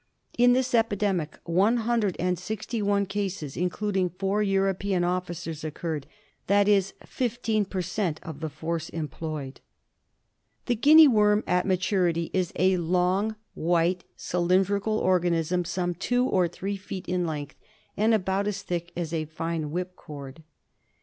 In thic ' epidemic i6i cases, including four European officers, occurred, that is 15 per cent, of the force employed. The Guinea worm at maturity is a long, white, cylin drical organism some two or three feet in length and about as thick as fine whipcord.